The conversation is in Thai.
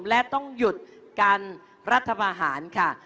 และต้องหยุดการรัฐบาหารค่ะ